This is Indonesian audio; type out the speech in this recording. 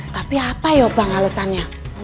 tapi apa ya bang alesannya